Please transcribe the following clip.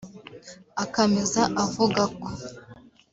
Akameza avuga ko